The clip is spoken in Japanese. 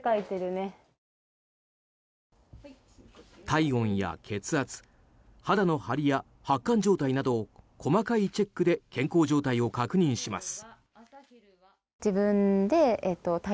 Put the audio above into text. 体温や血圧肌の張りや発汗状態など細かいチェックで健康状態を確認します。